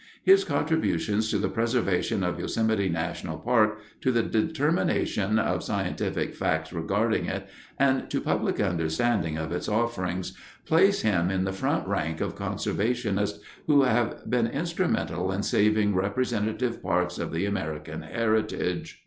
His contributions to the preservation of Yosemite National Park, to the determination of scientific facts regarding it, and to public understanding of its offerings place him in the front rank of conservationists who have been instrumental in saving representative parts of the American heritage.